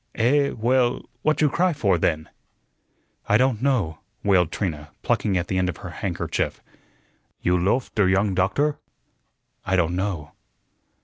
"Eh, well, what you cry for, then?" "I don't know," wailed Trina, plucking at the end of her handkerchief. "You loaf der younge doktor?" "I don't know."